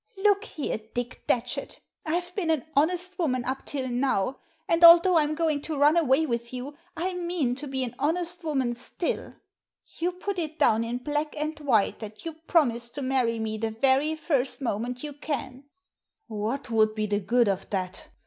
'^Look here, Dick Datchet, I've been an honest woman up till now, and although I'm goings to run away with you, I mean to be an honest woman stilL You put it down in black and white, that you promise to marry me the very first moment you can,'* What would be the good of that?